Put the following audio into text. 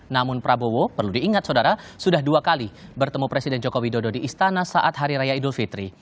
namun prabowo perlu diingat saudara sudah dua kali bertemu presiden joko widodo di istana saat hari raya idul fitri